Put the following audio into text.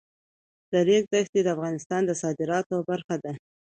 د ریګ دښتې د افغانستان د صادراتو برخه ده.